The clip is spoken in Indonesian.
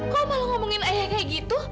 kamu malah ngomongin ayah seperti itu